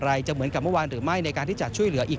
จะเหมือนกับเมื่อวานหรือไม่ในการที่จะช่วยเหลืออีก